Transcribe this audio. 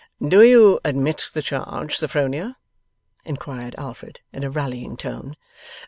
'Do you admit the charge, Sophronia?' inquired Alfred, in a rallying tone.